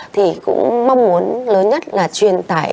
thì cũng mong muốn lớn nhất là truyền tải